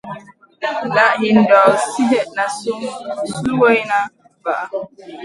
Naʼ hin ɗor sinèhna suwayna vaʼa.